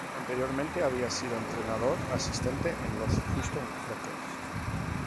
Anteriormente había sido entrenador asistente en los Houston Rockets.